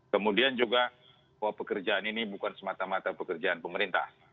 kemudian juga bahwa pekerjaan ini bukan semata mata pekerjaan pemerintah